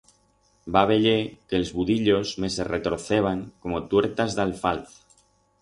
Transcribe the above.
Va veyer que els budillos me se retorceban como tuertas d'alfalz.